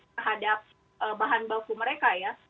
terhadap bahan baku mereka ya